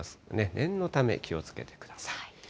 念のため気をつけてください。